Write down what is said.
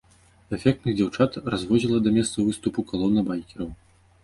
Эфектных дзяўчат развозіла да месцаў выступу калона байкераў.